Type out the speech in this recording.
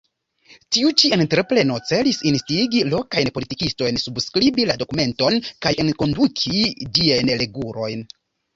Tiu ĉi entrepreno celis instigi lokajn politikistojn subskribi la dokumenton kaj enkonduki ĝiajn regulojn.